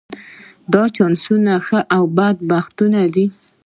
دا چانسونه ښه او بد بختونه دي.